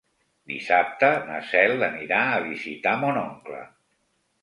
Dissabte na Cel anirà a visitar mon oncle.